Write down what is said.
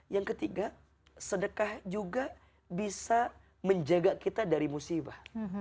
yang ketiga sedekah juga bisa menjaga kita dari musibah